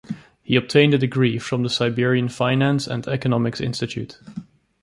He obtained a degree from the Siberian Finance and Economics Institute.